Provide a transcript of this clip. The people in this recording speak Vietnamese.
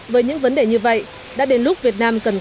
với những vấn đề như vậy đã đến lúc việt nam cần cải thiện